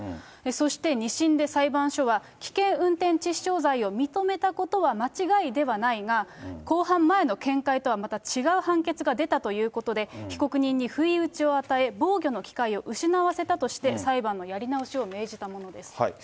そして２審で裁判所は、危険運転致死傷罪を認めたことは間違いではないが、公判前の見解とはまた違う判決が出たということで、被告人に不意打ちを与え、防御の機会を失わせたとして裁判のやり直しを命じたものです。